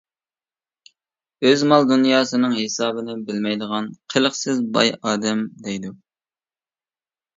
ئۆزى مال-دۇنياسىنىڭ ھېسابىنى بىلمەيدىغان قىلىقسىز باي ئادەم دەيدۇ.